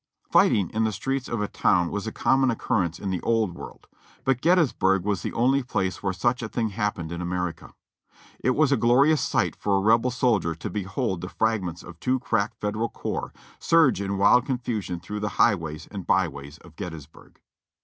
Fighting in the streets of a town was of common occurrence in the Old World, but Gettysburg was the only place where such a thing happened in America. It was a glorious sight for a Rebel soldier to behold the fragments of two crack Federal corps surge in wild confusion through the highways and byways of Get tysburg.